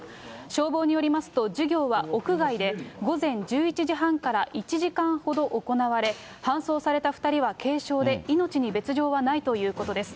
消防によりますと、授業は屋外で、午前１１時半から１時間ほど行われ、搬送された２人は軽症で、命に別状はないということです。